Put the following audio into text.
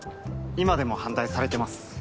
今でも反対されてます。